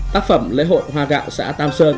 tác phẩm lễ hội hoa gạo xã tam sơn